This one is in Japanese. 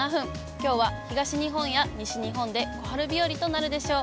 きょうは東日本や西日本で小春日和となるでしょう。